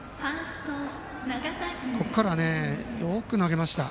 ここからよく投げました。